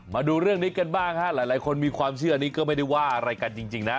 มาดูเรื่องนี้กันบ้างฮะหลายคนมีความเชื่อนี้ก็ไม่ได้ว่าอะไรกันจริงนะ